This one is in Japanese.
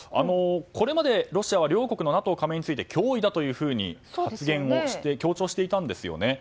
これまでロシアは両国のＮＡＴＯ加盟について脅威だと発言をして強調をしていたんですよね。